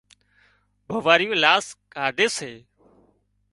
وئوئاريون لاز ڪاڍي سي